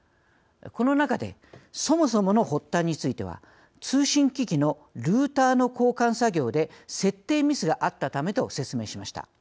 この中でそもそもの発端については通信機器のルーターの交換作業で設定ミスがあったためと説明しました。